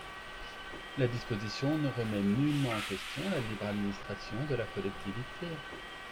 La disposition ne remet nullement en question la libre administration de la collectivité.